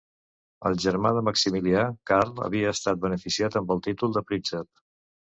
El germà de Maximilià, Karl havia estat beneficiat amb el títol de príncep.